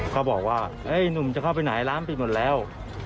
เขาบอกว่าหนุ่มจะเข้าไปไหนร้านปิดหมดแล้ว